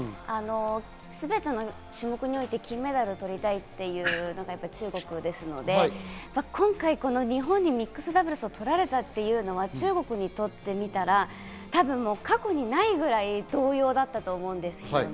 全ての種目において金メダルを取りたいっていうのが中国ですので、今回、日本にミックスダブルスを取られたというのは、中国にとってみたら多分、過去にないぐらいの動揺だったと思います。